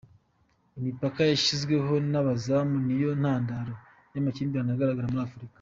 Imipaka yashyizweho n’abazungu ni yo ntandaro y’amakimbirane agaragara muri Afurika